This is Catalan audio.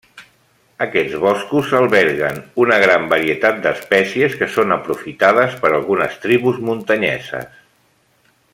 Aquests boscos alberguen una gran varietat d'espècies que són aprofitades per algunes tribus muntanyeses.